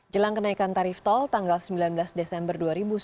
jelang kenaikan tarif tol tanggal sembilan belas desember dua ribu sembilan belas